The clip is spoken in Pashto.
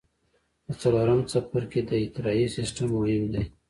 د څلورم څپرکي د اطراحي سیستم مهم دی.